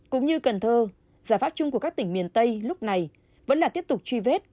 cũng như cần thơ giải pháp chung của các tỉnh miền tây lúc này vẫn là tiếp tục truy vết